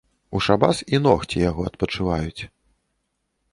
У шабас і ногці яго адпачываюць.